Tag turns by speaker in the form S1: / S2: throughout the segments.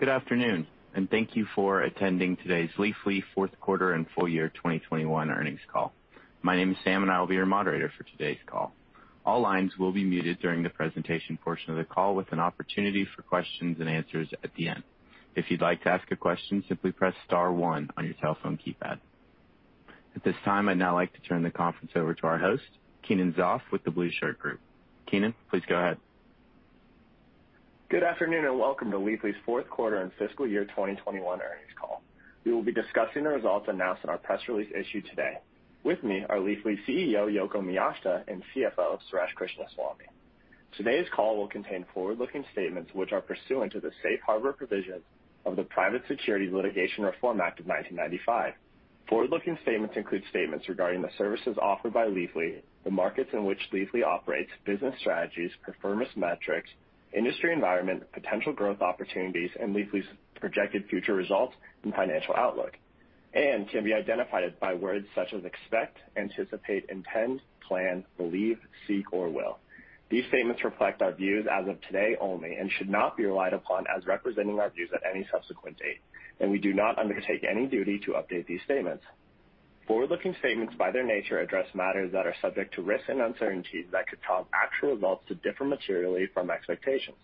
S1: Good afternoon, and thank you for attending today's Leafly Fourth Quarter and Full Year 2021 Earnings Call. My name is Sam, and I will be your moderator for today's call. All lines will be muted during the presentation portion of the call with an opportunity for questions and answers at the end. If you'd like to ask a question, simply press star one on your telephone keypad. At this time, I'd now like to turn the conference over to our host, Keenan Zopf with The Blueshirt Group. Keenan, please go ahead.
S2: Good afternoon, and welcome to Leafly's fourth quarter and fiscal year 2021 earnings call. We will be discussing the results announced in our press release issued today. With me are Leafly CEO, Yoko Miyashita, and CFO, Suresh Krishnaswamy. Today's call will contain forward-looking statements which are pursuant to the Safe Harbor provisions of the Private Securities Litigation Reform Act of 1995. Forward-looking statements include statements regarding the services offered by Leafly, the markets in which Leafly operates, business strategies, performance metrics, industry environment, potential growth opportunities, and Leafly's projected future results and financial outlook, and can be identified by words such as expect, anticipate, intend, plan, believe, seek, or will. These statements reflect our views as of today only and should not be relied upon as representing our views at any subsequent date, and we do not undertake any duty to update these statements. Forward-looking statements, by their nature, address matters that are subject to risks and uncertainties that could cause actual results to differ materially from expectations.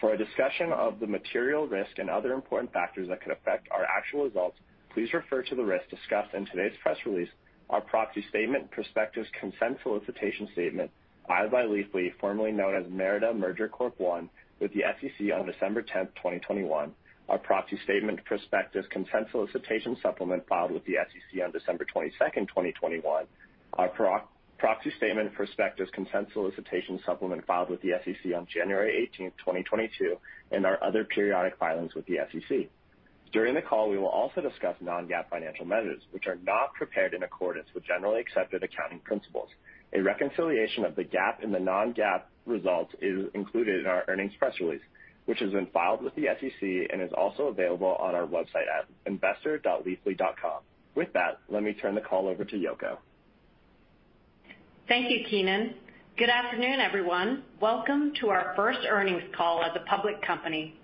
S2: For a discussion of the material risk and other important factors that could affect our actual results, please refer to the risks discussed in today's press release. Our proxy statement, prospectus consent solicitation statement filed by Leafly, formerly known as Merida Merger Corp. I, with the SEC on December 10, 2021, our proxy statement prospectus consent solicitation supplement filed with the SEC on December 22, 2021, our proxy statement prospectus consent solicitation supplement filed with the SEC on January 18, 2022, and our other periodic filings with the SEC. During the call, we will also discuss non-GAAP financial measures, which are not prepared in accordance with generally accepted accounting principles. A reconciliation of the GAAP and the non-GAAP results is included in our earnings press release, which has been filed with the SEC and is also available on our website at investor.leafly.com. With that, let me turn the call over to Yoko.
S3: Thank you, Keenan. Good afternoon, everyone. Welcome to our first earnings call as a public company.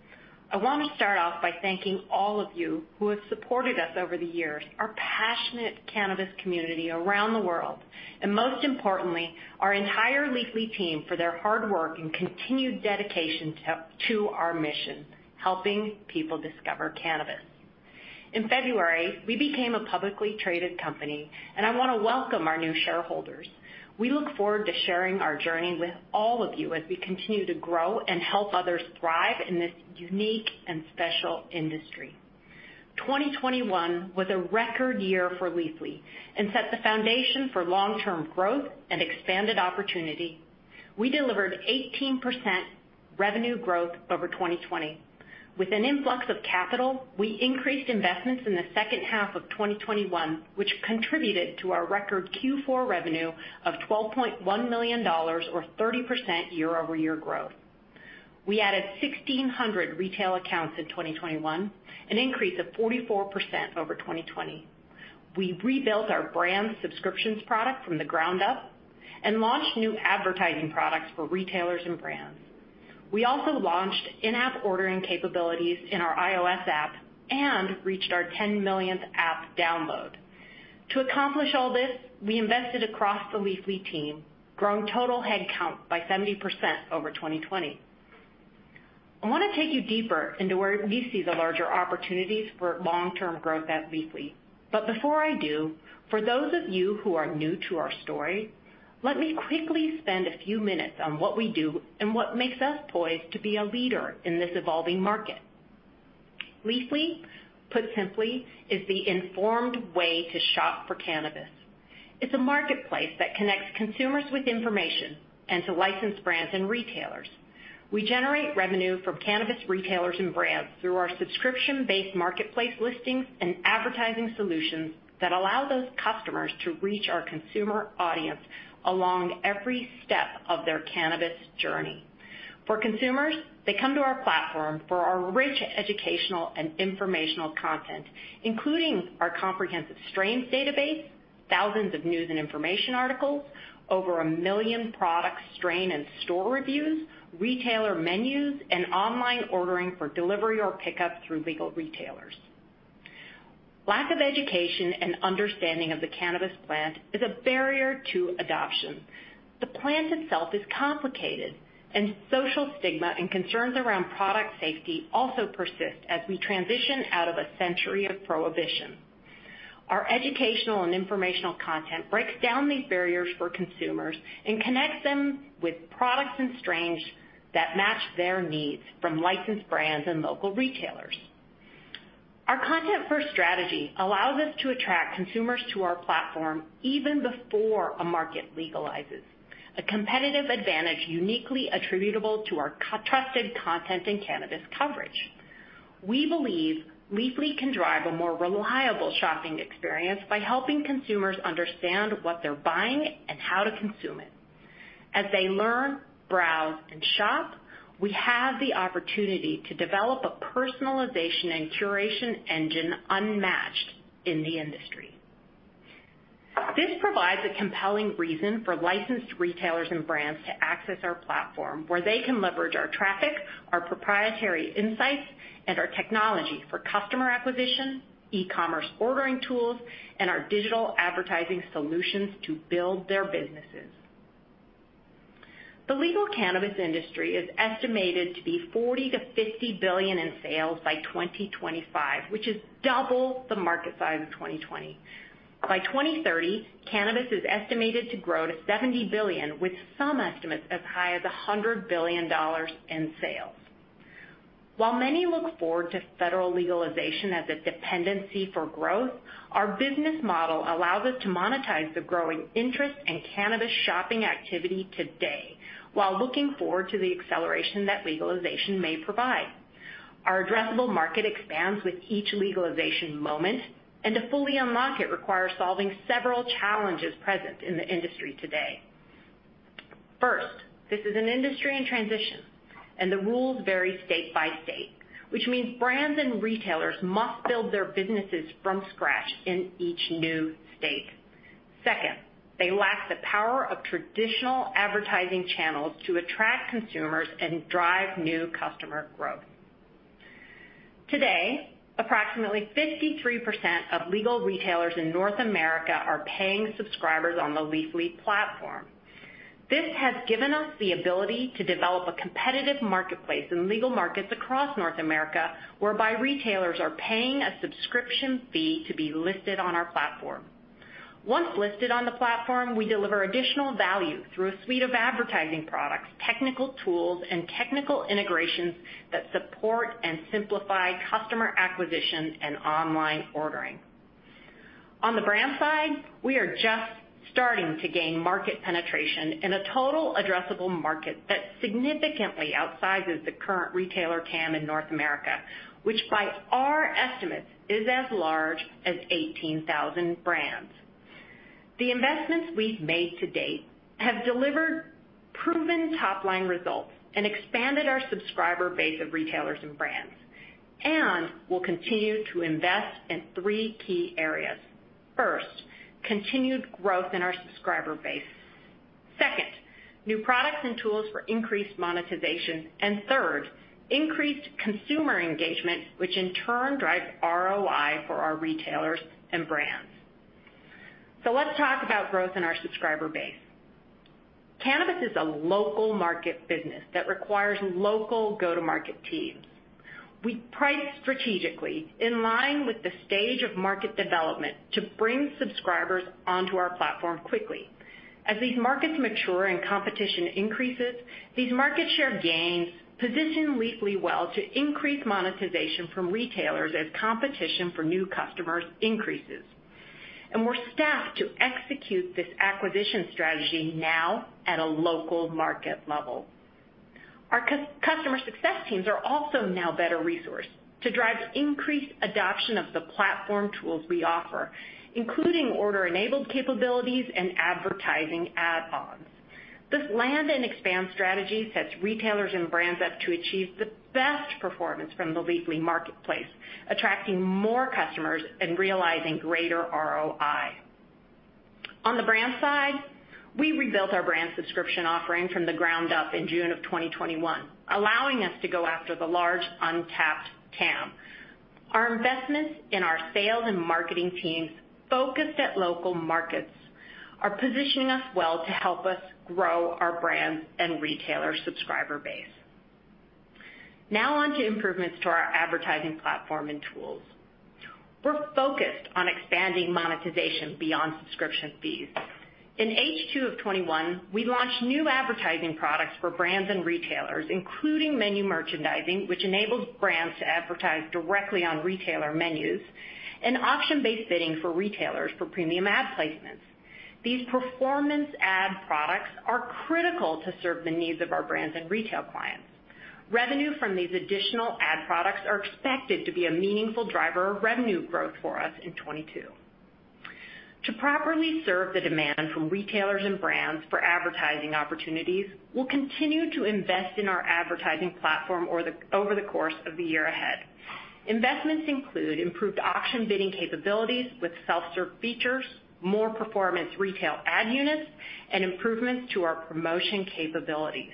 S3: I wanna start off by thanking all of you who have supported us over the years, our passionate cannabis community around the world, and most importantly, our entire Leafly team for their hard work and continued dedication to our mission, helping people discover cannabis. In February, we became a publicly traded company, and I wanna welcome our new shareholders. We look forward to sharing our journey with all of you as we continue to grow and help others thrive in this unique and special industry. 2021 was a record year for Leafly and set the foundation for long-term growth and expanded opportunity. We delivered 18% revenue growth over 2020. With an influx of capital, we increased investments in the second half of 2021, which contributed to our record Q4 revenue of $12.1 million or 30% year-over-year growth. We added 1,600 retail accounts in 2021, an increase of 44% over 2020. We rebuilt our brand subscriptions product from the ground up and launched new advertising products for retailers and brands. We also launched in-app ordering capabilities in our iOS app and reached our 10 millionth app download. To accomplish all this, we invested across the Leafly team, growing total headcount by 70% over 2020. I wanna take you deeper into where we see the larger opportunities for long-term growth at Leafly. Before I do, for those of you who are new to our story, let me quickly spend a few minutes on what we do and what makes us poised to be a leader in this evolving market. Leafly, put simply, is the informed way to shop for cannabis. It's a marketplace that connects consumers with information and to licensed brands and retailers. We generate revenue from cannabis retailers and brands through our subscription-based marketplace listings and advertising solutions that allow those customers to reach our consumer audience along every step of their cannabis journey. For consumers, they come to our platform for our rich educational and informational content, including our comprehensive strains database, thousands of news and information articles, over 1 million product strain and store reviews, retailer menus, and online ordering for delivery or pickup through legal retailers. Lack of education and understanding of the cannabis plant is a barrier to adoption. The plant itself is complicated, and social stigma and concerns around product safety also persist as we transition out of a century of prohibition. Our educational and informational content breaks down these barriers for consumers and connects them with products and strains that match their needs from licensed brands and local retailers. Our content-first strategy allows us to attract consumers to our platform even before a market legalizes, a competitive advantage uniquely attributable to our trusted content and cannabis coverage. We believe Leafly can drive a more reliable shopping experience by helping consumers understand what they're buying and how to consume it. As they learn, browse, and shop, we have the opportunity to develop a personalization and curation engine unmatched in the industry. This provides a compelling reason for licensed retailers and brands to access our platform where they can leverage our traffic, our proprietary insights, and our technology for customer acquisition, e-commerce ordering tools, and our digital advertising solutions to build their businesses. The legal cannabis industry is estimated to be $40 billion-$50 billion in sales by 2025, which is double the market size of 2020. By 2030, cannabis is estimated to grow to $70 billion, with some estimates as high as $100 billion in sales. While many look forward to federal legalization as a dependency for growth, our business model allows us to monetize the growing interest in cannabis shopping activity today, while looking forward to the acceleration that legalization may provide. Our addressable market expands with each legalization moment, and to fully unlock it requires solving several challenges present in the industry today. First, this is an industry in transition, and the rules vary state by state, which means brands and retailers must build their businesses from scratch in each new state. Second, they lack the power of traditional advertising channels to attract consumers and drive new customer growth. Today, approximately 53% of legal retailers in North America are paying subscribers on the Leafly platform. This has given us the ability to develop a competitive marketplace in legal markets across North America, whereby retailers are paying a subscription fee to be listed on our platform. Once listed on the platform, we deliver additional value through a suite of advertising products, technical tools, and technical integrations that support and simplify customer acquisition and online ordering. On the brand side, we are just starting to gain market penetration in a total addressable market that significantly outsizes the current retailer TAM in North America, which by our estimates, is as large as 18,000 brands. The investments we've made to date have delivered proven top-line results and expanded our subscriber base of retailers and brands, and we'll continue to invest in three key areas. First, continued growth in our subscriber base. Second, new products and tools for increased monetization. Third, increased consumer engagement, which in turn drives ROI for our retailers and brands. Let's talk about growth in our subscriber base. Cannabis is a local market business that requires local go-to-market teams. We price strategically in line with the stage of market development to bring subscribers onto our platform quickly. As these markets mature and competition increases, these market share gains position Leafly well to increase monetization from retailers as competition for new customers increases. We're staffed to execute this acquisition strategy now at a local market level. Our customer success teams are also now better resourced to drive increased adoption of the platform tools we offer, including order-enabled capabilities and advertising add-ons. This land and expand strategy sets retailers and brands up to achieve the best performance from the Leafly marketplace, attracting more customers and realizing greater ROI. On the brand side, we rebuilt our brand subscription offering from the ground up in June 2021, allowing us to go after the large untapped TAM. Our investments in our sales and marketing teams focused at local markets are positioning us well to help us grow our brands and retailer subscriber base. Now on to improvements to our advertising platform and tools. We're focused on expanding monetization beyond subscription fees. In H2 of 2021, we launched new advertising products for brands and retailers, including menu merchandising, which enables brands to advertise directly on retailer menus, and auction-based bidding for retailers for premium ad placements. These performance ad products are critical to serve the needs of our brands and retail clients. Revenue from these additional ad products are expected to be a meaningful driver of revenue growth for us in 2022. To properly serve the demand from retailers and brands for advertising opportunities, we'll continue to invest in our advertising platform over the course of the year ahead. Investments include improved auction bidding capabilities with self-serve features, more performance retail ad units, and improvements to our promotion capabilities.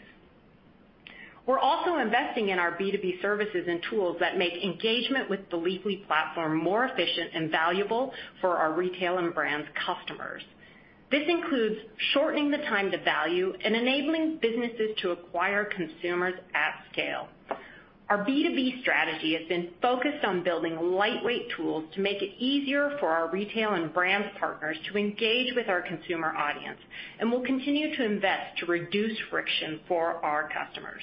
S3: We're also investing in our B2B services and tools that make engagement with the Leafly platform more efficient and valuable for our retail and brands customers. This includes shortening the time to value and enabling businesses to acquire consumers at scale. Our B2B strategy has been focused on building lightweight tools to make it easier for our retail and brands partners to engage with our consumer audience, and we'll continue to invest to reduce friction for our customers.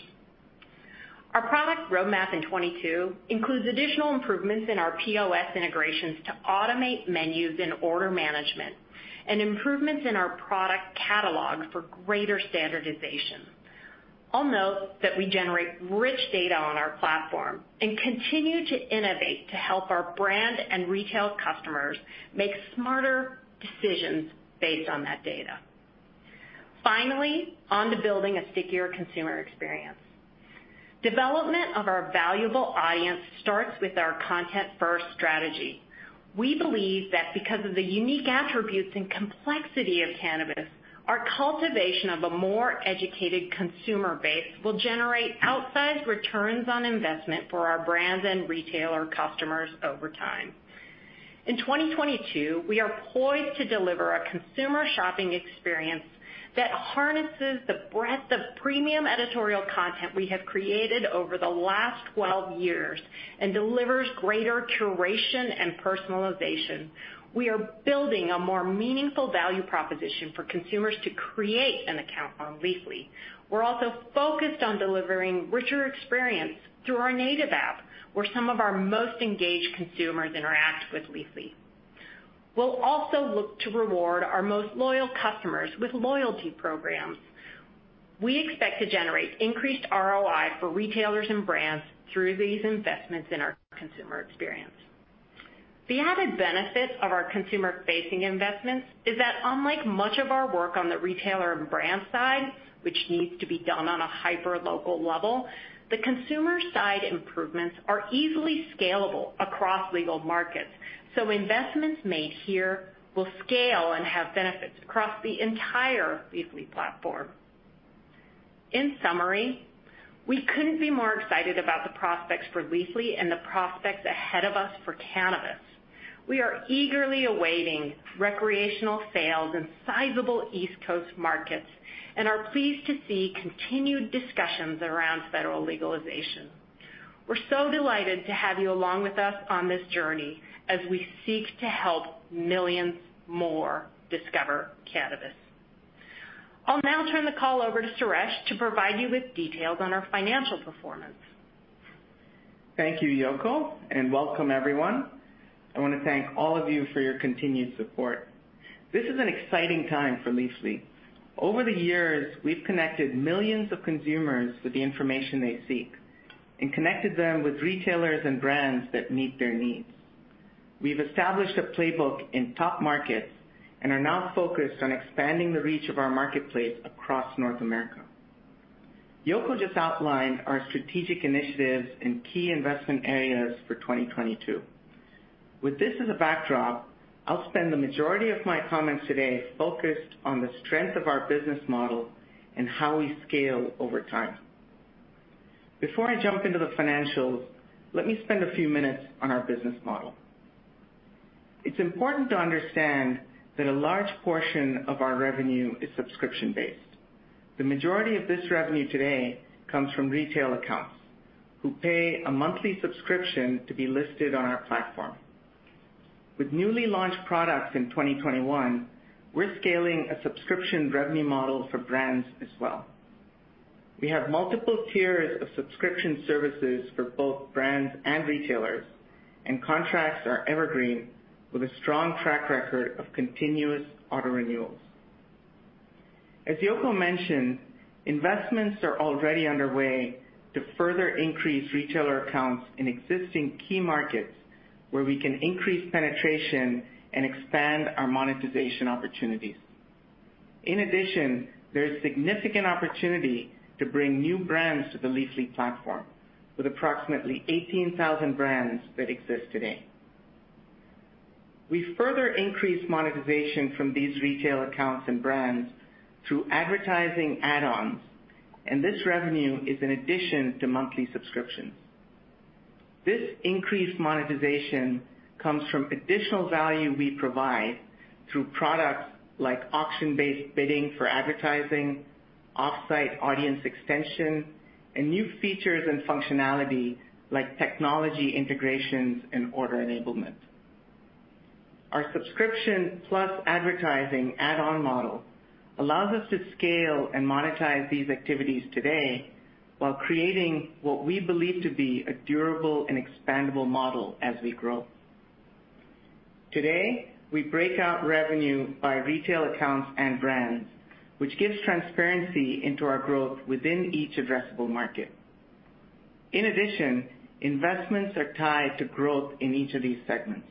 S3: Our product roadmap in 2022 includes additional improvements in our POS integrations to automate menus and order management, and improvements in our product catalog for greater standardization. I'll note that we generate rich data on our platform and continue to innovate to help our brand and retail customers make smarter decisions based on that data. Finally, on to building a stickier consumer experience. Development of our valuable audience starts with our content-first strategy. We believe that because of the unique attributes and complexity of cannabis, our cultivation of a more educated consumer base will generate outsized returns on investment for our brands and retailer customers over time. In 2022, we are poised to deliver a consumer shopping experience that harnesses the breadth of premium editorial content we have created over the last 12 years, and delivers greater curation and personalization. We are building a more meaningful value proposition for consumers to create an account on Leafly. We're also focused on delivering richer experience through our native app, where some of our most engaged consumers interact with Leafly. We'll also look to reward our most loyal customers with loyalty programs. We expect to generate increased ROI for retailers and brands through these investments in our consumer experience. The added benefit of our consumer-facing investments is that unlike much of our work on the retailer and brand side, which needs to be done on a hyper-local level, the consumer side improvements are easily scalable across legal markets. Investments made here will scale and have benefits across the entire Leafly platform. In summary, we couldn't be more excited about the prospects for Leafly and the prospects ahead of us for cannabis. We are eagerly awaiting recreational sales in sizable East Coast markets, and are pleased to see continued discussions around federal legalization. We're so delighted to have you along with us on this journey as we seek to help millions more discover cannabis. I'll now turn the call over to Suresh to provide you with details on our financial performance.
S4: Thank you, Yoko, and welcome everyone. I wanna thank all of you for your continued support. This is an exciting time for Leafly. Over the years, we've connected millions of consumers with the information they seek, and connected them with retailers and brands that meet their needs. We've established a playbook in top markets and are now focused on expanding the reach of our marketplace across North America. Yoko just outlined our strategic initiatives and key investment areas for 2022. With this as a backdrop, I'll spend the majority of my comments today focused on the strength of our business model and how we scale over time. Before I jump into the financials, let me spend a few minutes on our business model. It's important to understand that a large portion of our revenue is subscription-based. The majority of this revenue today comes from retail accounts who pay a monthly subscription to be listed on our platform. With newly launched products in 2021, we're scaling a subscription revenue model for brands as well. We have multiple tiers of subscription services for both brands and retailers, and contracts are evergreen with a strong track record of continuous auto renewals. As Yoko mentioned, investments are already underway to further increase retailer accounts in existing key markets where we can increase penetration and expand our monetization opportunities. In addition, there is significant opportunity to bring new brands to the Leafly platform, with approximately 18,000 brands that exist today. We further increase monetization from these retail accounts and brands through advertising add-ons, and this revenue is in addition to monthly subscriptions. This increased monetization comes from additional value we provide through products like auction-based bidding for advertising, off-site audience extension, and new features and functionality like technology integrations and order enablement. Our subscription plus advertising add-on model allows us to scale and monetize these activities today while creating what we believe to be a durable and expandable model as we grow. Today, we break out revenue by retail accounts and brands, which gives transparency into our growth within each addressable market. In addition, investments are tied to growth in each of these segments.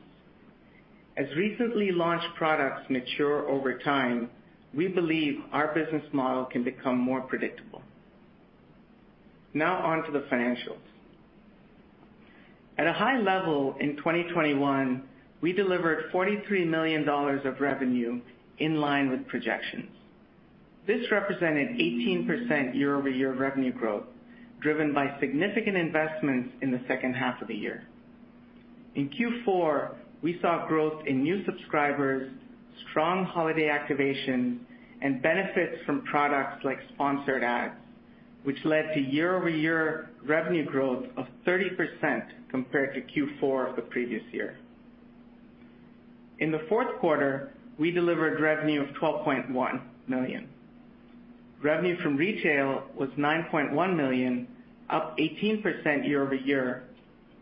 S4: As recently launched products mature over time, we believe our business model can become more predictable. Now on to the financials. At a high level in 2021, we delivered $43 million of revenue in line with projections. This represented 18% year-over-year revenue growth, driven by significant investments in the second half of the year. In Q4, we saw growth in new subscribers, strong holiday activation, and benefits from products like sponsored ads, which led to year-over-year revenue growth of 30% compared to Q4 of the previous year. In the fourth quarter, we delivered revenue of $12.1 million. Revenue from retail was $9.1 million, up 18% year-over-year,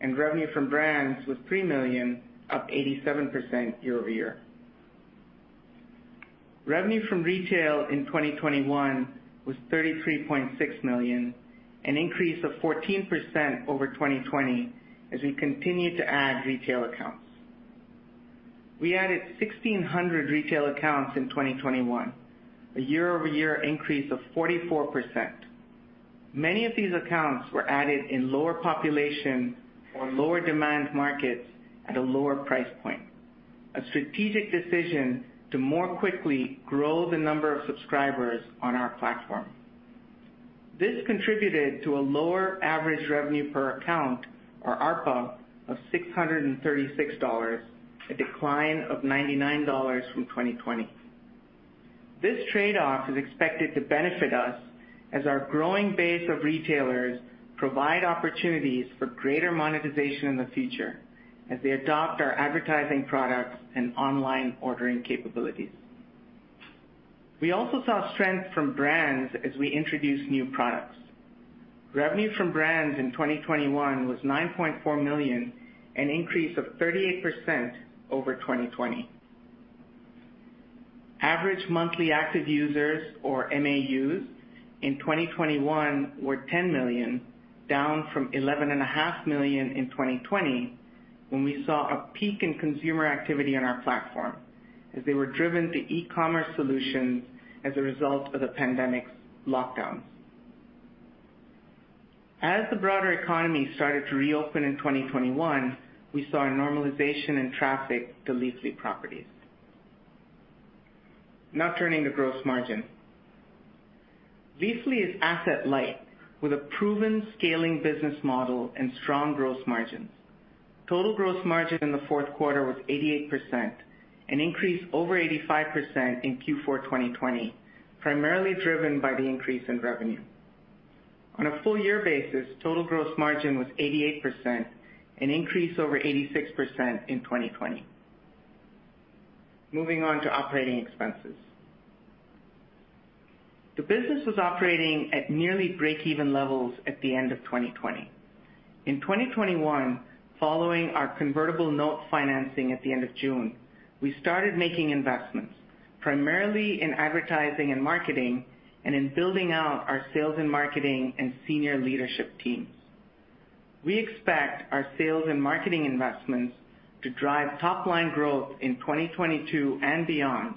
S4: and revenue from brands was $3 million, up 87% year-over-year. Revenue from retail in 2021 was $33.6 million, an increase of 14% over 2020 as we continue to add retail accounts. We added 1,600 retail accounts in 2021, a year-over-year increase of 44%. Many of these accounts were added in lower population or lower demand markets at a lower price point, a strategic decision to more quickly grow the number of subscribers on our platform. This contributed to a lower average revenue per account, or ARPA, of $636, a decline of $99 from 2020. This trade-off is expected to benefit us as our growing base of retailers provide opportunities for greater monetization in the future as they adopt our advertising products and online ordering capabilities. We also saw strength from brands as we introduced new products. Revenue from brands in 2021 was $9.4 million, an increase of 38% over 2020. Average monthly active users, or MAUs, in 2021 were 10 million, down from 11.5 million in 2020 when we saw a peak in consumer activity on our platform as they were driven to e-commerce solutions as a result of the pandemic's lockdowns. As the broader economy started to reopen in 2021, we saw a normalization in traffic to Leafly properties. Now turning to gross margin. Leafly is asset light with a proven scaling business model and strong gross margins. Total gross margin in the fourth quarter was 88%, an increase over 85% in Q4 2020, primarily driven by the increase in revenue. On a full year basis, total gross margin was 88%, an increase over 86% in 2020. Moving on to operating expenses. The business was operating at nearly breakeven levels at the end of 2020. In 2021, following our convertible note financing at the end of June, we started making investments, primarily in advertising and marketing and in building out our sales and marketing and senior leadership teams. We expect our sales and marketing investments to drive top line growth in 2022 and beyond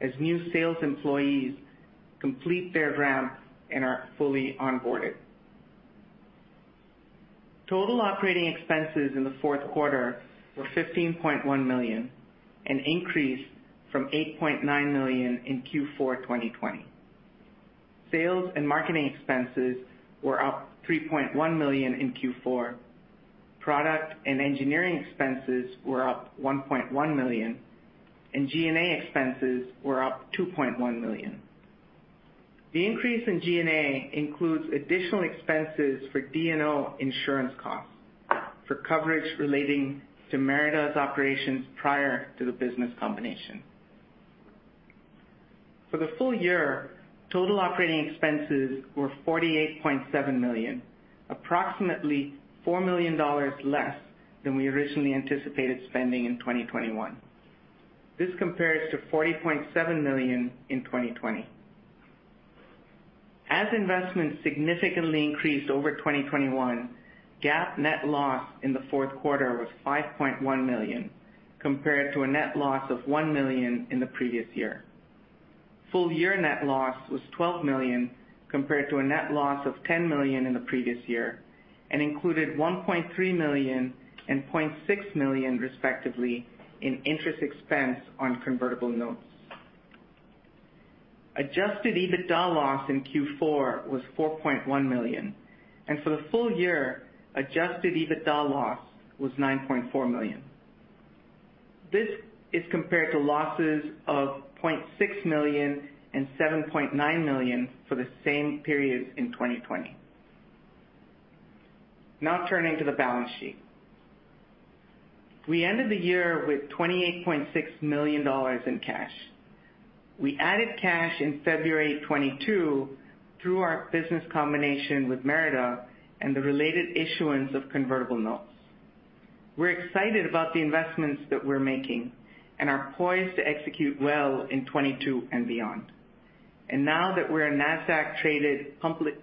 S4: as new sales employees complete their ramp and are fully onboarded. Total operating expenses in the fourth quarter were $15.1 million, an increase from $8.9 million in Q4 2020. Sales and marketing expenses were up $3.1 million in Q4. Product and engineering expenses were up $1.1 million, and G&A expenses were up $2.1 million. The increase in G&A includes additional expenses for D&O insurance costs for coverage relating to Merida's operations prior to the business combination. For the full year, total operating expenses were $48.7 million, approximately $4 million less than we originally anticipated spending in 2021. This compares to $40.7 million in 2020. As investments significantly increased over 2021, GAAP net loss in the fourth quarter was $5.1 million, compared to a net loss of $1 million in the previous year. Full year net loss was $12 million, compared to a net loss of $10 million in the previous year, and included $1.3 million and $0.6 million, respectively, in interest expense on convertible notes. Adjusted EBITDA loss in Q4 was $4.1 million, and for the full year, adjusted EBITDA loss was $9.4 million. This is compared to losses of $0.6 million and $7.9 million for the same periods in 2020. Now turning to the balance sheet. We ended the year with $28.6 million in cash. We added cash in February 2022 through our business combination with Merida and the related issuance of convertible notes. We're excited about the investments that we're making and are poised to execute well in 2022 and beyond. Now that we're a Nasdaq-traded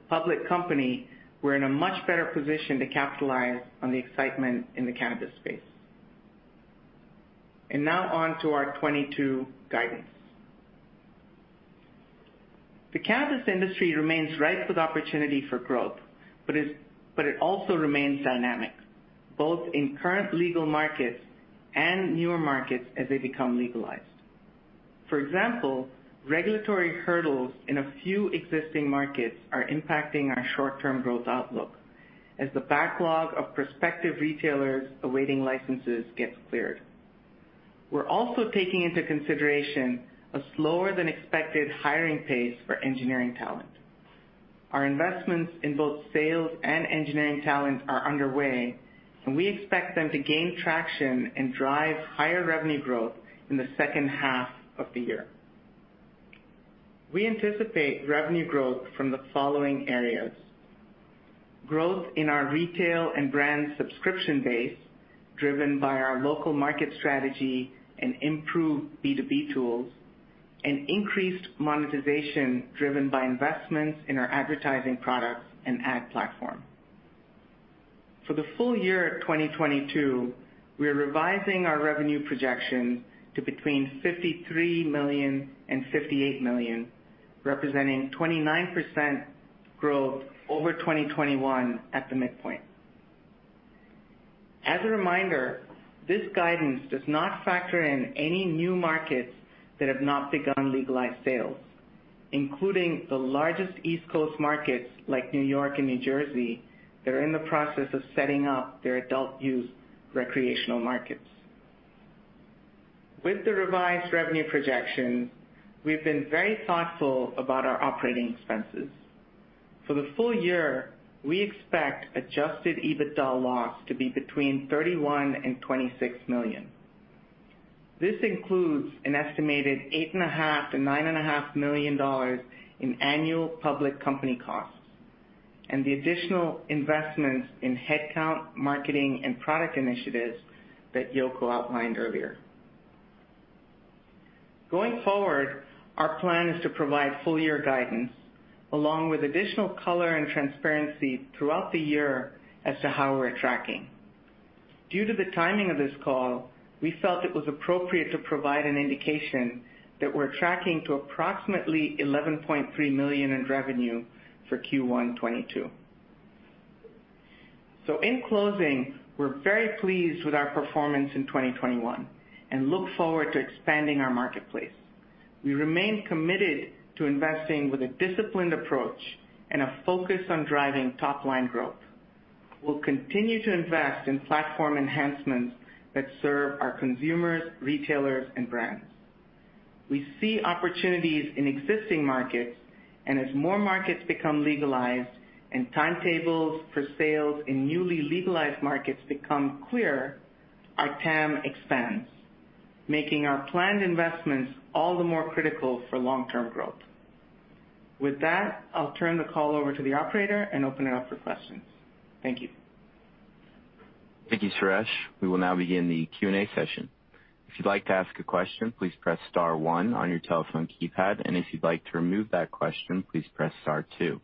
S4: public company, we're in a much better position to capitalize on the excitement in the cannabis space. Now on to our 2022 guidance. The cannabis industry remains ripe with opportunity for growth, but it also remains dynamic, both in current legal markets and newer markets as they become legalized. For example, regulatory hurdles in a few existing markets are impacting our short-term growth outlook as the backlog of prospective retailers awaiting licenses gets cleared. We're also taking into consideration a slower than expected hiring pace for engineering talent. Our investments in both sales and engineering talent are underway, and we expect them to gain traction and drive higher revenue growth in the second half of the year. We anticipate revenue growth from the following areas. Growth in our retail and brand subscription base, driven by our local market strategy and improved B2B tools, and increased monetization driven by investments in our advertising products and ad platform. For the full year of 2022, we are revising our revenue projection to between $53 million and $58 million, representing 29% growth over 2021 at the midpoint. As a reminder, this guidance does not factor in any new markets that have not begun legalized sales, including the largest East Coast markets like New York and New Jersey that are in the process of setting up their adult use recreational markets. With the revised revenue projection, we've been very thoughtful about our operating expenses. For the full year, we expect adjusted EBITDA loss to be between $31 million and $26 million. This includes an estimated $8.5 million-$9.5 million in annual public company costs and the additional investments in headcount, marketing, and product initiatives that Yoko outlined earlier. Going forward, our plan is to provide full-year guidance along with additional color and transparency throughout the year as to how we're tracking. Due to the timing of this call, we felt it was appropriate to provide an indication that we're tracking to approximately $11.3 million in revenue for Q1 2022. In closing, we're very pleased with our performance in 2021 and look forward to expanding our marketplace. We remain committed to investing with a disciplined approach and a focus on driving top-line growth. We'll continue to invest in platform enhancements that serve our consumers, retailers, and brands. We see opportunities in existing markets, and as more markets become legalized and timetables for sales in newly legalized markets become clearer, our TAM expands, making our planned investments all the more critical for long-term growth. With that, I'll turn the call over to the operator and open it up for questions. Thank you.
S1: Thank you, Suresh. We will now begin the Q&A session. If you'd like to ask a question, please press star one on your telephone keypad, and if you'd like to remove that question, please press star two.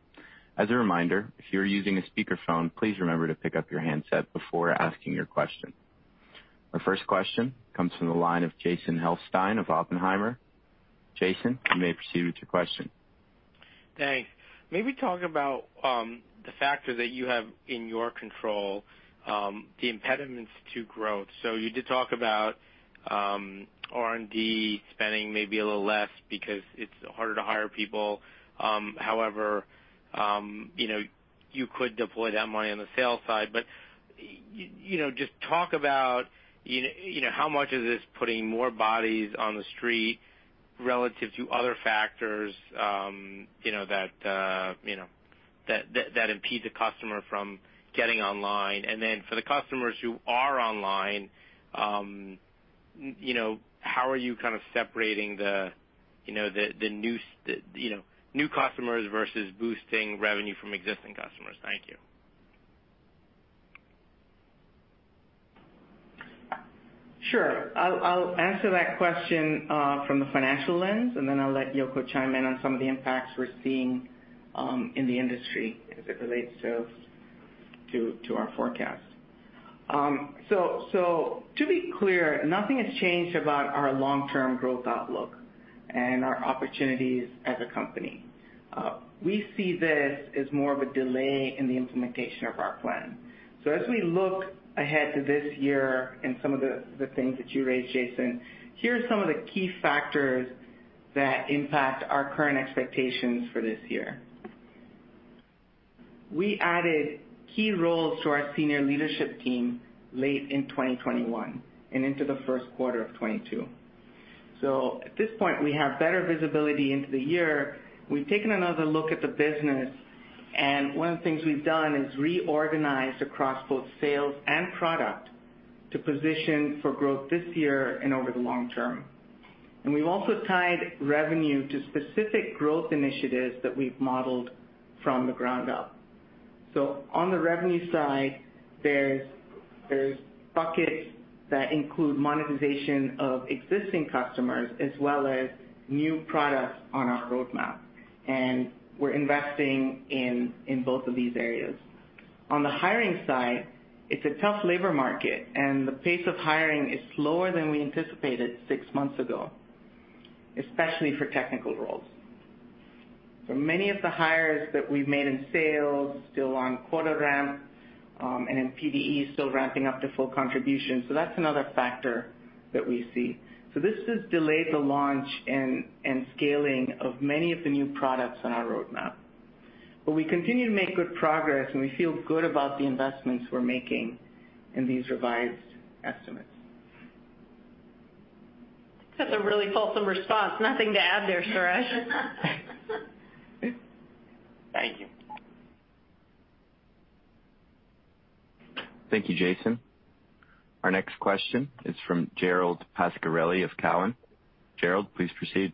S1: As a reminder, if you are using a speakerphone, please remember to pick up your handset before asking your question. Our first question comes from the line of Jason Helfstein of Oppenheimer. Jason, you may proceed with your question.
S5: Thanks. Maybe talk about the factor that you have in your control, the impediments to growth. You did talk about R&D spending maybe a little less because it's harder to hire people. However, you know, you could deploy that money on the sales side. You know, just talk about you know, how much of this putting more bodies on the street relative to other factors, you know, that impedes a customer from getting online. Then for the customers who are online, you know, how are you kind of separating the new customers versus boosting revenue from existing customers? Thank you.
S4: Sure. I'll answer that question from the financial lens, and then I'll let Yoko chime in on some of the impacts we're seeing in the industry as it relates to our forecast. To be clear, nothing has changed about our long-term growth outlook and our opportunities as a company. We see this as more of a delay in the implementation of our plan. As we look ahead to this year and some of the things that you raised, Jason, here are some of the key factors that impact our current expectations for this year. We added key roles to our senior leadership team late in 2021 and into the first quarter of 2022. At this point, we have better visibility into the year. We've taken another look at the business, and one of the things we've done is reorganized across both sales and product to position for growth this year and over the long term. We've also tied revenue to specific growth initiatives that we've modeled from the ground up. On the revenue side, there's buckets that include monetization of existing customers as well as new products on our roadmap, and we're investing in both of these areas. On the hiring side, it's a tough labor market, and the pace of hiring is slower than we anticipated six months ago, especially for technical roles. For many of the hires that we've made in sales, still on quota ramp, and in PDE, still ramping up to full contribution. That's another factor that we see. This has delayed the launch and scaling of many of the new products on our roadmap. We continue to make good progress, and we feel good about the investments we're making in these revised estimates.
S3: That's a really fulsome response. Nothing to add there, Suresh.
S5: Thank you.
S1: Thank you, Jason. Our next question is from Gerald Pascarelli of Cowen. Gerald, please proceed.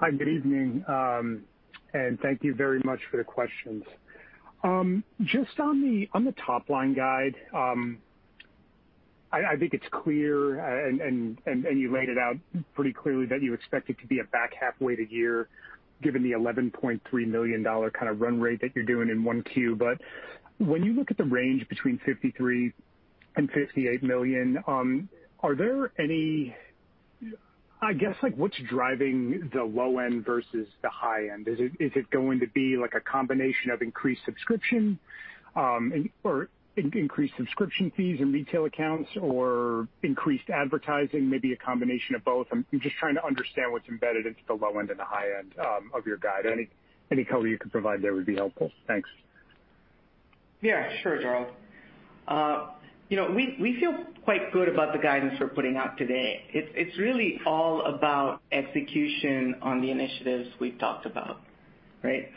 S6: Hi. Good evening. Thank you very much for the questions. Just on the top-line guide, I think it's clear and you laid it out pretty clearly that you expect it to be a back half weighted year, given the $11.3 million kind of run rate that you're doing in Q1. When you look at the range between $53 million and $58 million, are there any? I guess, like, what's driving the low end versus the high end? Is it going to be like a combination of increased subscription or increased subscription fees and retail accounts or increased advertising? Maybe a combination of both. I'm just trying to understand what's embedded into the low end and the high end of your guide. Any color you could provide there would be helpful. Thanks.
S4: Yeah, sure, Gerald. You know, we feel quite good about the guidance we're putting out today. It's really all about execution on the initiatives we've talked about, right?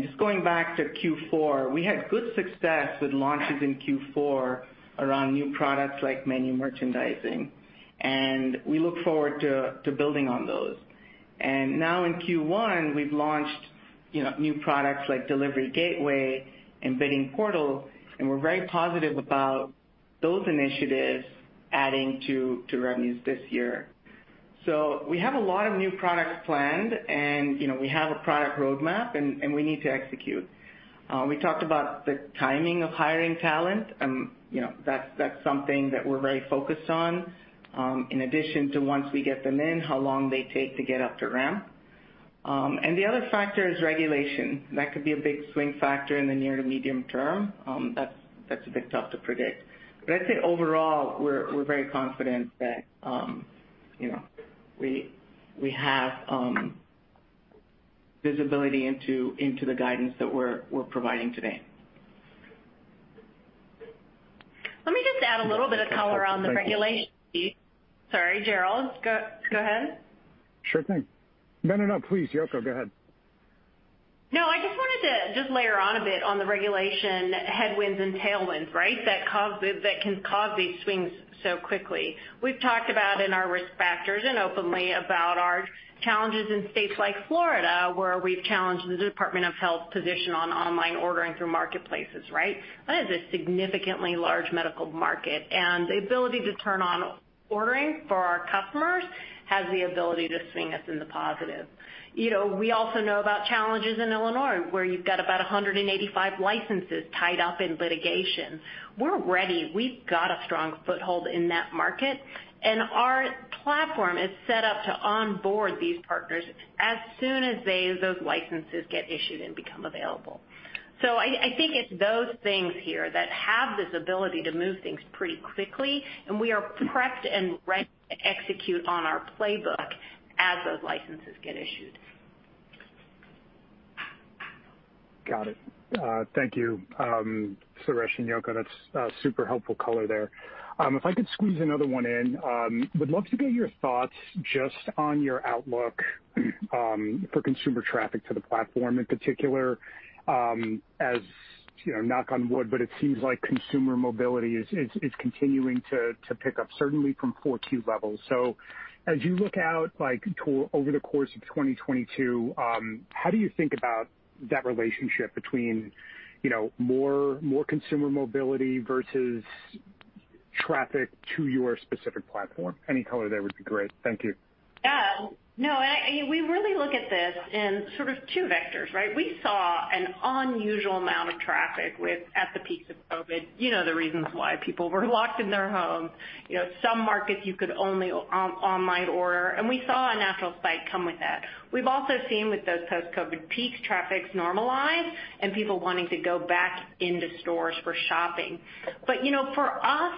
S4: Just going back to Q4, we had good success with launches in Q4 around new products like menu merchandising, and we look forward to building on those. Now in Q1, we've launched, you know, new products like Delivery Gateway and Bidding Portal, and we're very positive about those initiatives adding to revenues this year. We have a lot of new products planned and, you know, we have a product roadmap and we need to execute. We talked about the timing of hiring talent, you know, that's something that we're very focused on, in addition to once we get them in, how long they take to get up to ramp. The other factor is regulation. That could be a big swing factor in the near to medium term. That's a bit tough to predict. I'd say overall, we're very confident that, you know, we have visibility into the guidance that we're providing today.
S3: Let me just add a little bit of color on the regulation piece. Sorry, Gerald. Go ahead.
S6: Sure thing. No, no, please, Yoko, go ahead.
S3: No, I just wanted to just layer on a bit on the regulation headwinds and tailwinds, right? That can cause these swings so quickly. We've talked about in our risk factors and openly about our challenges in states like Florida, where we've challenged the Department of Health position on online ordering through marketplaces, right? That is a significantly large medical market, and the ability to turn on ordering for our customers has the ability to swing us in the positive. You know, we also know about challenges in Illinois, where you've got about 185 licenses tied up in litigation. We're ready. We've got a strong foothold in that market, and our platform is set up to onboard these partners as soon as those licenses get issued and become available. I think it's those things here that have this ability to move things pretty quickly, and we are prepped and ready to execute on our playbook as those licenses get issued.
S6: Got it. Thank you, Suresh and Yoko. That's super helpful color there. If I could squeeze another one in. Would love to get your thoughts just on your outlook for consumer traffic to the platform. In particular, as you know, knock on wood, but it seems like consumer mobility is continuing to pick up certainly from Q2 levels. As you look out over the course of 2022, how do you think about that relationship between, you know, more consumer mobility versus traffic to your specific platform? Any color there would be great. Thank you.
S3: We really look at this in sort of two vectors, right? We saw an unusual amount of traffic within the peaks of COVID. You know the reasons why. People were locked in their homes. You know, some markets you could only online order. We saw a natural spike come with that. We've also seen with those post-COVID peaks, traffic normalize and people wanting to go back into stores for shopping. You know, for us,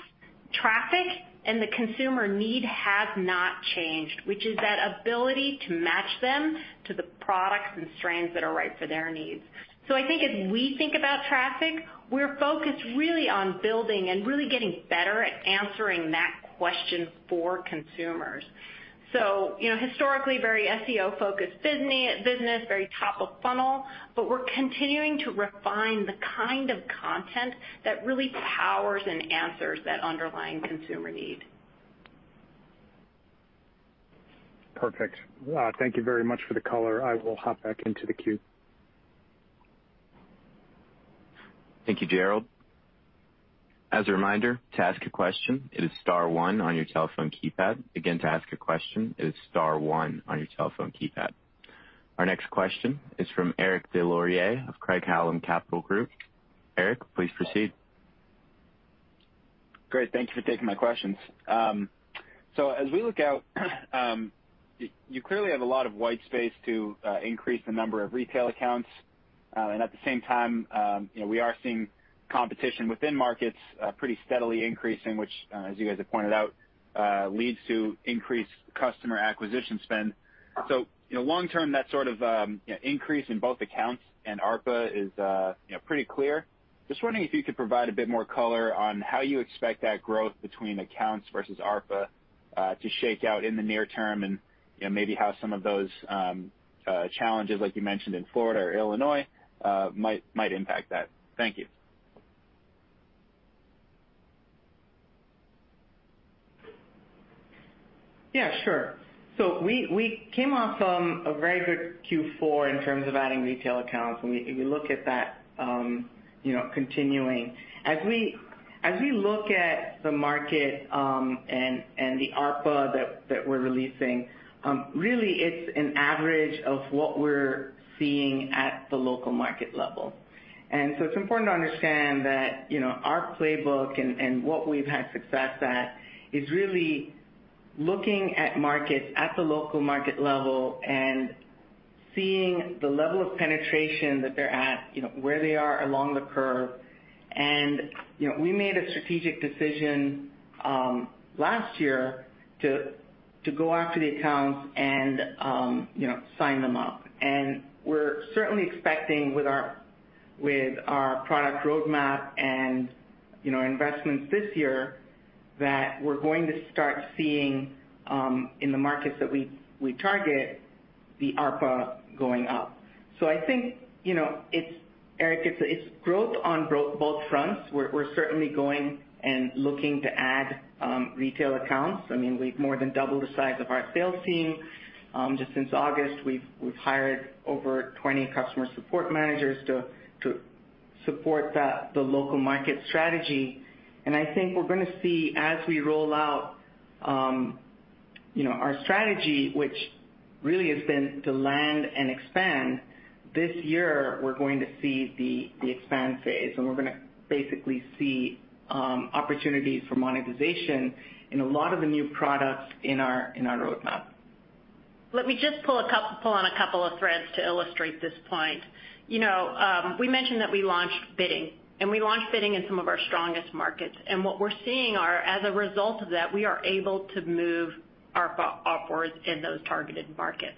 S3: traffic and the consumer need has not changed, which is that ability to match them to the products and strains that are right for their needs. I think as we think about traffic, we're focused really on building and really getting better at answering that question for consumers. You know, historically very SEO-focused business, very top of funnel, but we're continuing to refine the kind of content that really powers and answers that underlying consumer need.
S6: Perfect. Thank you very much for the color. I will hop back into the queue.
S1: Thank you, Gerald. As a reminder, to ask a question, it is star one on your telephone keypad. Again, to ask a question, it is star one on your telephone keypad. Our next question is from Eric Des Lauriers of Craig-Hallum Capital Group. Eric, please proceed.
S7: Great. Thank you for taking my questions. So as we look out, you clearly have a lot of white space to increase the number of retail accounts. At the same time, you know, we are seeing competition within markets pretty steadily increasing, which, as you guys have pointed out, leads to increased customer acquisition spend. You know, long term, that sort of, you know, increase in both accounts and ARPA is, you know, pretty clear. Just wondering if you could provide a bit more color on how you expect that growth between accounts versus ARPA to shake out in the near term and, you know, maybe how some of those challenges, like you mentioned in Florida or Illinois, might impact that. Thank you. Yeah, sure.
S4: We came off a very good Q4 in terms of adding retail accounts, and we look at that, you know, continuing. As we look at the market, and the ARPA that we're releasing, really, it's an average of what we're seeing at the local market level. It's important to understand that, you know, our playbook and what we've had success at is really looking at markets at the local market level and seeing the level of penetration that they're at, you know, where they are along the curve. You know, we made a strategic decision last year to go after the accounts and, you know, sign them up. We're certainly expecting with our product roadmap and, you know, investments this year, that we're going to start seeing in the markets that we target, the ARPA going up. I think, you know, it's Eric, it's growth on both fronts. We're certainly going and looking to add retail accounts. I mean, we've more than doubled the size of our sales team. Just since August, we've hired over 20 customer support managers to support the local market strategy. I think we're gonna see as we roll out, you know, our strategy, which really has been to land and expand, this year we're going to see the expand phase, and we're gonna basically see opportunities for monetization in a lot of the new products in our roadmap.
S3: Let me just pull on a couple of threads to illustrate this point. You know, we mentioned that we launched Bidding, and we launched Bidding in some of our strongest markets. What we're seeing are, as a result of that, we are able to move ARPA upwards in those targeted markets.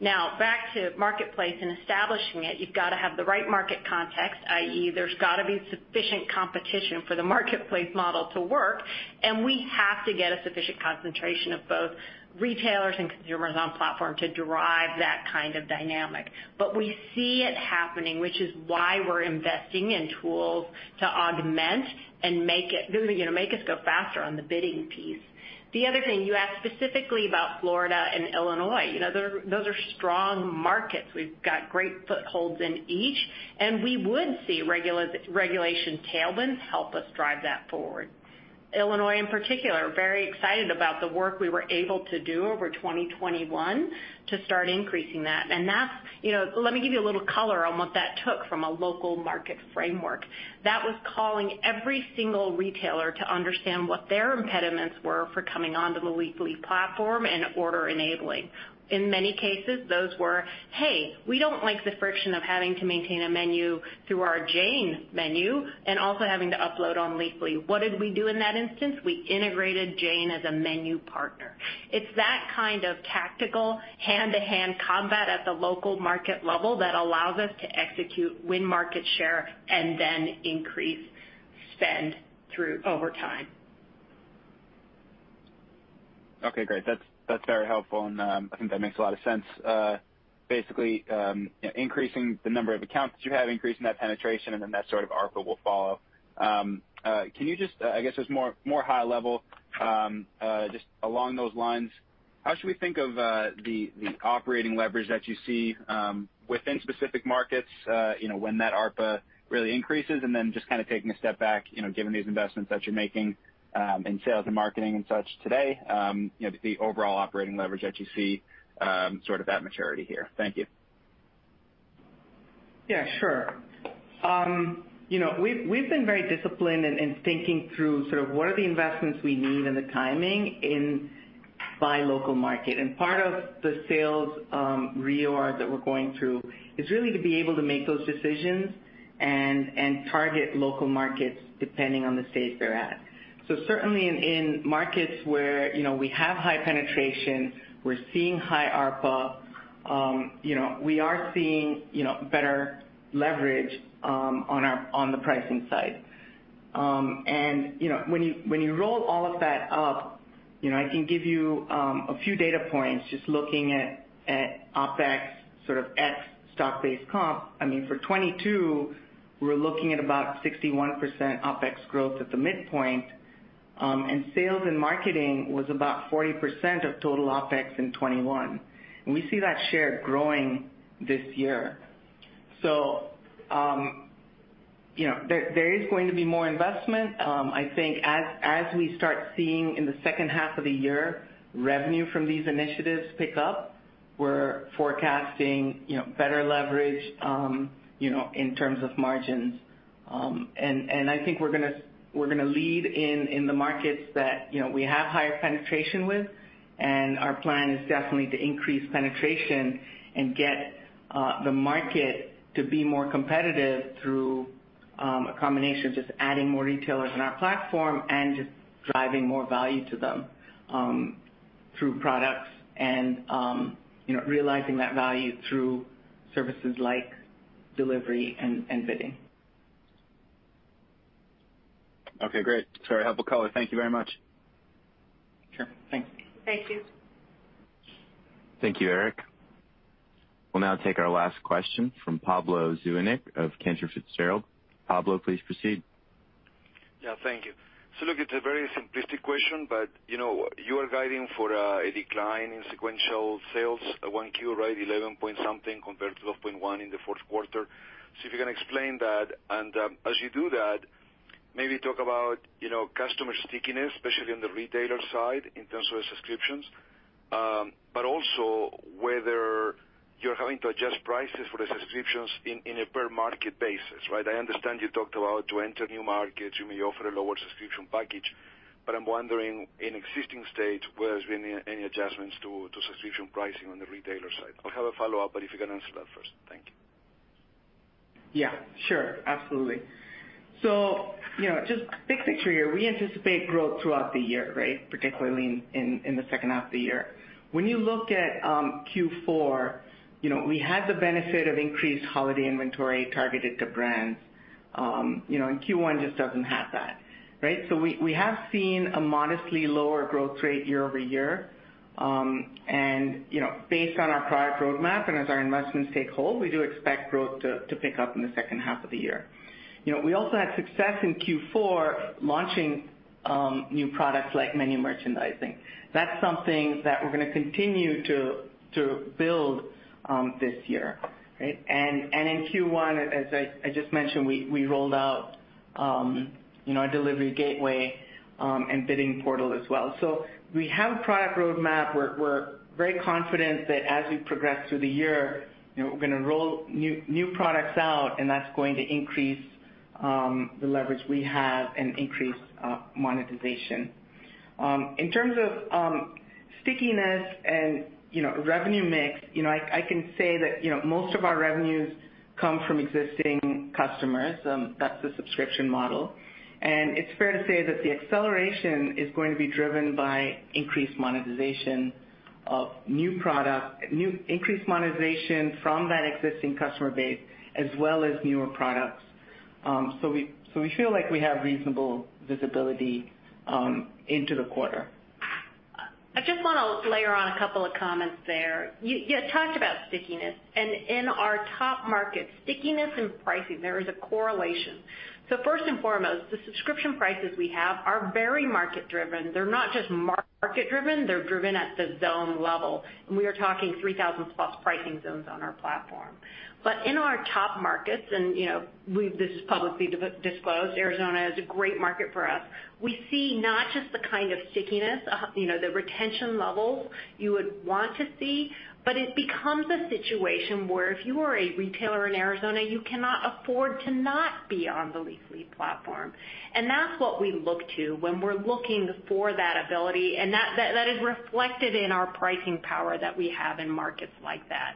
S3: Now, back to Marketplace and establishing it, you've got to have the right market context, i.e., there's gotta be sufficient competition for the Marketplace model to work, and we have to get a sufficient concentration of both retailers and consumers on platform to derive that kind of dynamic. We see it happening, which is why we're investing in tools to augment and make it, you know, make us go faster on the Bidding piece. The other thing, you asked specifically about Florida and Illinois. You know, those are strong markets. We've got great footholds in each, and we would see regulation tailwinds help us drive that forward. Illinois, in particular, we're very excited about the work we were able to do over 2021 to start increasing that. That's, you know. Let me give you a little color on what that took from a local market framework. That was calling every single retailer to understand what their impediments were for coming onto the Leafly platform and order enabling. In many cases, those were, "Hey, we don't like the friction of having to maintain a menu through our Jane menu and also having to upload on Leafly." What did we do in that instance? We integrated Jane as a menu partner. It's that kind of tactical hand-to-hand combat at the local market level that allows us to execute win market share and then increase spend through over time.
S7: Okay, great. That's very helpful, and I think that makes a lot of sense. Basically, increasing the number of accounts that you have, increasing that penetration, and then that sort of ARPA will follow. Can you just I guess just more high level, just along those lines, how should we think of the operating leverage that you see within specific markets, you know, when that ARPA really increases? Just kind of taking a step back, you know, given these investments that you're making in sales and marketing and such today, you know, the overall operating leverage that you see sort of at maturity here. Thank you.
S4: Yeah, sure. You know, we've been very disciplined in thinking through what are the investments we need and the timing by local market. Part of the sales reorg that we're going through is really to be able to make those decisions and target local markets depending on the stage they're at. Certainly in markets where you know, we have high penetration, we're seeing high ARPA, you know, we are seeing better leverage on the pricing side. You know, when you roll all of that up, you know, I can give you a few data points just looking at OpEx, sort of ex stock-based comp. I mean, for 2022, we're looking at about 61% OpEx growth at the midpoint, and sales and marketing was about 40% of total OpEx in 2021. We see that share growing this year. You know, there is going to be more investment. I think as we start seeing in the second half of the year revenue from these initiatives pick up, we're forecasting, you know, better leverage, you know, in terms of margins. I think we're gonna lead in the markets that you know we have higher penetration with, and our plan is definitely to increase penetration and get the market to be more competitive through a combination of just adding more retailers in our platform and just driving more value to them through products and you know realizing that value through services like delivery and Bidding.
S7: Okay, great. It's very helpful color. Thank you very much.
S4: Sure. Thanks.
S3: Thank you.
S1: Thank you, Eric. We'll now take our last question from Pablo Zuanic of Cantor Fitzgerald. Pablo, please proceed.
S8: Yeah, thank you. So look, it's a very simplistic question, but you know, you are guiding for a decline in sequential sales at 1Q, right? $11.something compared to $12.1 in the fourth quarter. If you can explain that, and as you do that, maybe talk about you know, customer stickiness, especially on the retailer side in terms of subscriptions, but also whether you're having to adjust prices for the subscriptions in a per-market basis, right? I understand you talked about to enter new markets, you may offer a lower subscription package. But I'm wondering in existing states, where is any adjustments to subscription pricing on the retailer side? I have a follow-up, but if you can answer that first. Thank you.
S4: Yeah, sure. Absolutely. You know, just big picture here. We anticipate growth throughout the year, right? Particularly in the second half of the year. When you look at Q4, you know, we had the benefit of increased holiday inventory targeted to brands, you know, and Q1 just doesn't have that, right? We have seen a modestly lower growth rate year-over-year, and, you know, based on our product roadmap and as our investments take hold, we do expect growth to pick up in the second half of the year. You know, we also had success in Q4 launching new products like menu merchandising. That's something that we're gonna continue to build this year, right? In Q1, as I just mentioned, we rolled out, you know, our Delivery Gateway and Bidding Portal as well. We have a product roadmap. We're very confident that as we progress through the year, you know, we're gonna roll new products out, and that's going to increase the leverage we have and increase monetization. In terms of stickiness and, you know, revenue mix, you know, I can say that, you know, most of our revenues come from existing customers, that's the subscription model. It's fair to say that the acceleration is going to be driven by increased monetization of new products and increased monetization from that existing customer base as well as newer products. We feel like we have reasonable visibility into the quarter.
S3: I just wanna layer on a couple of comments there. You talked about stickiness, and in our top markets, stickiness and pricing, there is a correlation. First and foremost, the subscription prices we have are very market-driven. They're not just market-driven, they're driven at the zone level, and we are talking 3,000+ pricing zones on our platform. In our top markets, and you know, this is publicly disclosed, Arizona is a great market for us. We see not just the kind of stickiness, you know, the retention levels you would want to see, but it becomes a situation where if you are a retailer in Arizona, you cannot afford to not be on the Leafly platform. That's what we look to when we're looking for that ability, and that is reflected in our pricing power that we have in markets like that.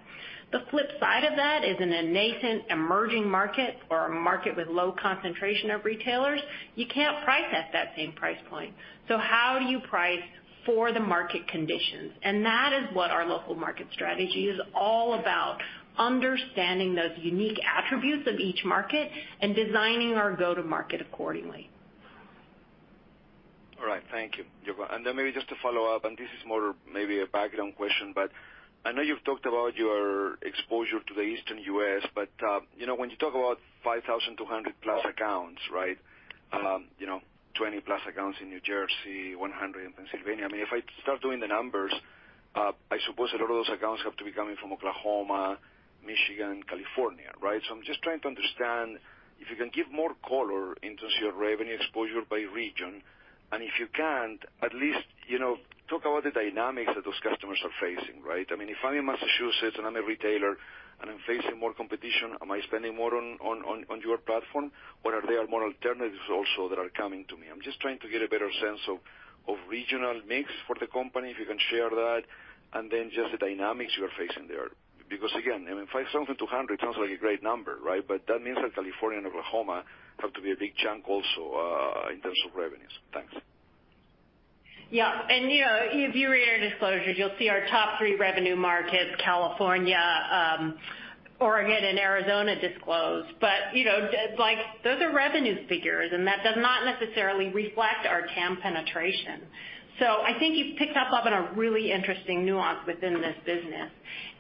S3: The flip side of that is in a nascent emerging market or a market with low concentration of retailers, you can't price at that same price point. How do you price for the market conditions? That is what our local market strategy is all about, understanding those unique attributes of each market and designing our go-to-market accordingly.
S8: All right. Thank you, Yoko. Maybe just to follow up, this is more of a background question, but I know you've talked about your exposure to the Eastern U.S., but you know, when you talk about 5,200+ accounts, right? You know, 20+ accounts in New Jersey, 100 in Pennsylvania. I mean, if I start doing the numbers, I suppose a lot of those accounts have to be coming from Oklahoma, Michigan, California, right? I'm just trying to understand if you can give more color into your revenue exposure by region, and if you can't at least, you know, talk about the dynamics that those customers are facing, right? I mean, if I'm in Massachusetts and I'm a retailer and I'm facing more competition, am I spending more on your platform or are there more alternatives also that are coming to me? I'm just trying to get a better sense of regional mix for the company, if you can share that, and then just the dynamics you are facing there. Because again, I mean, 5,200 sounds like a great number, right? But that means that California and Oklahoma have to be a big chunk also in terms of revenues. Thanks.
S3: Yeah. You know, if you read our disclosures, you'll see our top three revenue markets, California, Oregon and Arizona disclosed. You know, like, those are revenue figures, and that does not necessarily reflect our TAM penetration. I think you've picked up on a really interesting nuance within this business.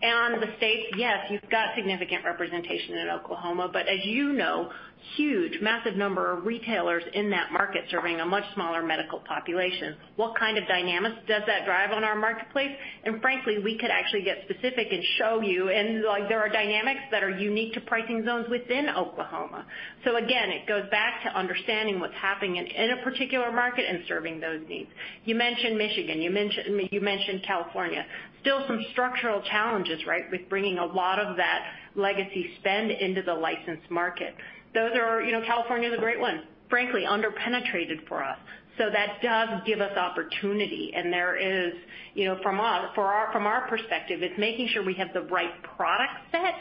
S3: The states, yes, you've got significant representation in Oklahoma, but as you know, huge, massive number of retailers in that market serving a much smaller medical population. What kind of dynamics does that drive on our marketplace? Frankly, we could actually get specific and show you, and like, there are dynamics that are unique to pricing zones within Oklahoma. It goes back to understanding what's happening in a particular market and serving those needs. You mentioned Michigan. You mentioned California. Still some structural challenges, right, with bringing a lot of that legacy spend into the licensed market. Those are. You know, California's a great one, frankly, under-penetrated for us. That does give us opportunity. There is, you know, from our perspective, it's making sure we have the right product set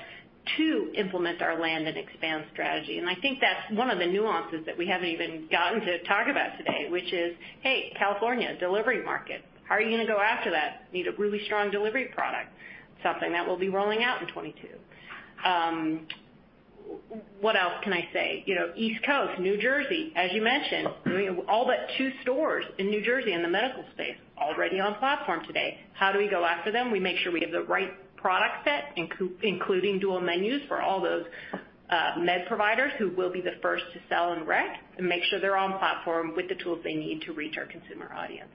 S3: to implement our land and expand strategy. I think that's one of the nuances that we haven't even gotten to talk about today, which is, hey, California, delivery market, how are you gonna go after that? Need a really strong delivery product, something that we'll be rolling out in 2022. What else can I say? You know, East Coast, New Jersey, as you mentioned, we have all but two stores in New Jersey in the medical space already on platform today. How do we go after them? We make sure we have the right product set, including dual menus for all those med providers who will be the first to sell in rec and make sure they're on platform with the tools they need to reach our consumer audience.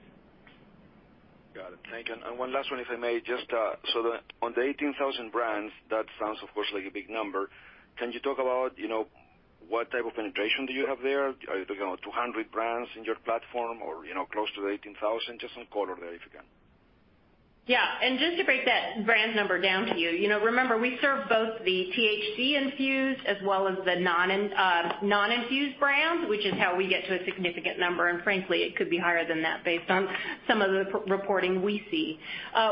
S8: Got it. Thank you. One last one, if I may. Just on the 18,000 brands, that sounds, of course, like a big number. Can you talk about, you know, what type of penetration do you have there? Are you talking about 200 brands in your platform or, you know, close to 18,000? Just some color there, if you can.
S3: Yeah. Just to break that brand number down to you know, remember, we serve both the THC infused as well as the non-infused brands, which is how we get to a significant number. Frankly, it could be higher than that based on some of the re-reporting we see.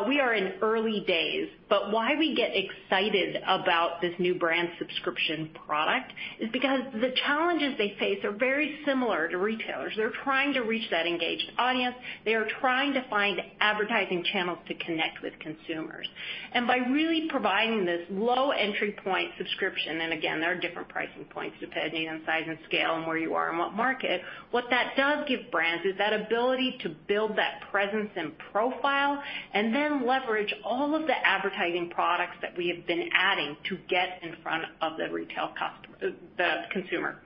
S3: We are in early days, but why we get excited about this new brand subscription product is because the challenges they face are very similar to retailers. They're trying to reach that engaged audience. They are trying to find advertising channels to connect with consumers. By really providing this low entry point subscription, and again, there are different pricing points depending on size and scale and where you are and what market. What that does give brands is that ability to build that presence and profile and then leverage all of the advertising products that we have been adding to get in front of the retail customer, the consumer.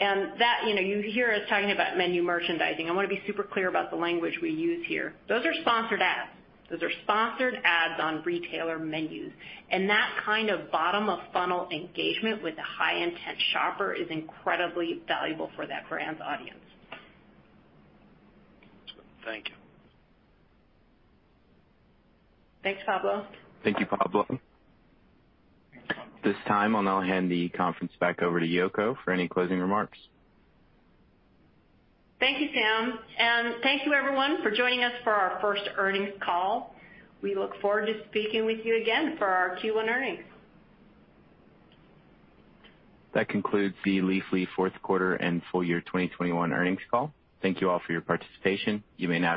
S3: That, you know, you hear us talking about menu merchandising. I wanna be super clear about the language we use here. Those are sponsored ads. Those are sponsored ads on retailer menus. That kind of bottom of funnel engagement with a high-intent shopper is incredibly valuable for that brand's audience.
S8: Thank you.
S3: Thanks, Pablo.
S1: Thank you, Pablo. At this time, I'll now hand the conference back over to Yoko for any closing remarks.
S3: Thank you, Sam. Thank you everyone for joining us for our first earnings call. We look forward to speaking with you again for our Q1 earnings.
S1: That concludes the Leafly Fourth Quarter and Full Year 2021 Earnings Call. Thank you all for your participation. You may now...